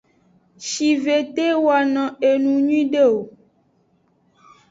Shive de wano enu nyuide o.